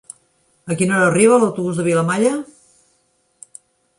A quina hora arriba l'autobús de Vilamalla?